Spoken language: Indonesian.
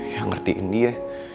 yang ngertiin dia